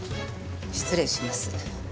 失礼します。